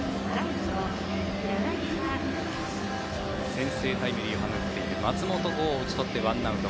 先制タイムリーを放っている松本剛を打ち取ってワンアウト。